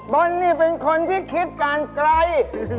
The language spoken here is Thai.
บอลนี่เป็นคนที่คิดการไกล